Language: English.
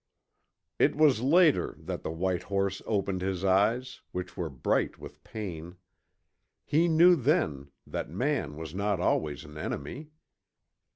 It was later that the white horse opened his eyes, which were bright with pain. He knew then that man was not always an enemy.